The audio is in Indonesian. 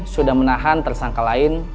sudah menahan tersangka lain